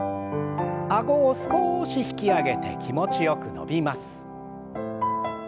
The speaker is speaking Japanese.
あごを少し引き上げて気持ちよく伸びます。